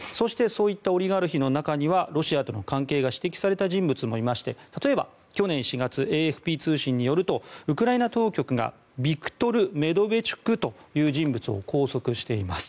そして、そういったオリガルヒの中にはロシアとの関係を指摘された人物もいまして例えば去年４月ＡＦＰ通信によるとウクライナ当局がビクトル・メドベチュク氏という人物を拘束しています。